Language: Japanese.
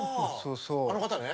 あの方ね。